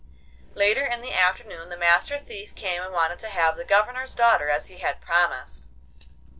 Later in the afternoon the Master Thief came and wanted to have the Governor's daughter as he had promised.